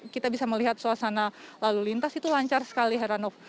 kita bisa melihat suasana lalu lintas itu lancar sekali heranov